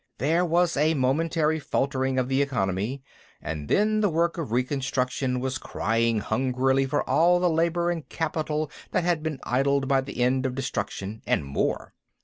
There was a momentary faltering of the economy, and then the work of reconstruction was crying hungrily for all the labor and capital that had been idled by the end of destruction, and more.